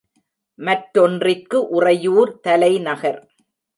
மற்றொன்றிற்கு உறையூர் தலைநகர்.